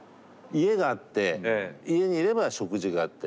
家があって家にいれば食事があって。